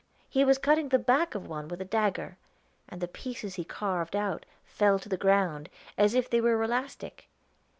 He was cutting the back of one with a dagger, and the pieces he carved out fell to the ground, as if they were elastic.